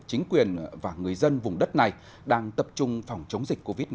chính quyền và người dân vùng đất này đang tập trung phòng chống dịch covid một mươi